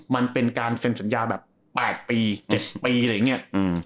มันเป็นการเซ็นสัญญาแบบ๘ปี๗ปีอะไรอย่างนี้